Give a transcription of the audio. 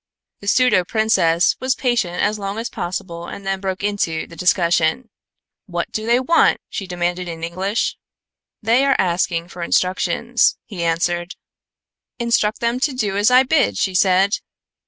The pseudo princess was patient as long as possible and then broke into the discussion. "What do they want?" she demanded in English. "They are asking for instructions," he answered. "Instruct them to do as I bid," she said.